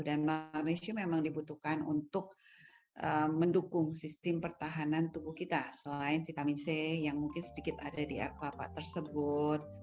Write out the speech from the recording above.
dan magnesium memang dibutuhkan untuk mendukung sistem pertahanan tubuh kita selain vitamin c yang mungkin sedikit ada di air kelapa tersebut